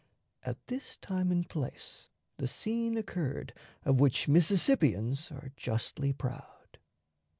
At this time and place the scene occurred of which Mississippians are justly proud.